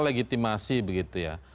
legitimasi begitu ya